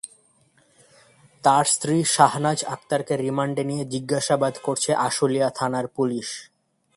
তাঁর স্ত্রী শাহনাজ আক্তারকে রিমান্ডে নিয়ে জিজ্ঞাসাবাদ করছে আশুলিয়া থানার পুলিশ।